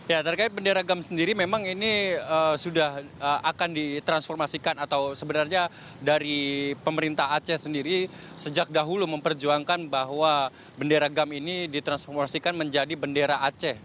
ya terkait bendera gam sendiri memang ini sudah akan ditransformasikan atau sebenarnya dari pemerintah aceh sendiri sejak dahulu memperjuangkan bahwa bendera gam ini ditransformasikan menjadi bendera aceh